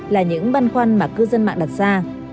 là những băn khoăn mà cư dân mạng đặt ra